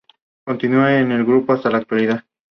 Esta fase estuvo marcada por un hecho particular.